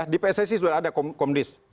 di pssi sudah ada komdis